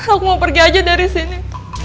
aku mau pergi aja dari sini